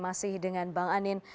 masih dengan bang anin